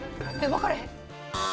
わからへん。